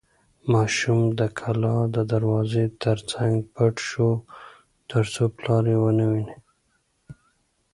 ماشوم د کلا د دروازې تر څنګ پټ شو ترڅو پلار یې ونه ویني.